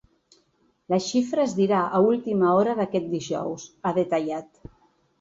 La xifra es dirà a última hora d’aquest dijous, ha detallat.